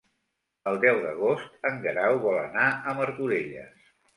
El deu d'agost en Guerau vol anar a Martorelles.